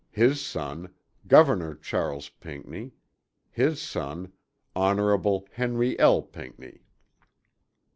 His Son, Governor Charles Pinckney. His Son, Hon. Henry L. Pinckney.